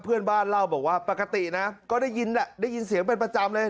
เพื่อนบ้านเล่าบอกว่าปกตินะก็ได้ยินแหละได้ยินเสียงเป็นประจำเลย